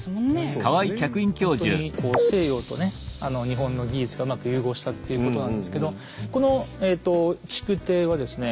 ほんとにこう西洋とね日本の技術がうまく融合したっていうことなんですけどこの築堤はですね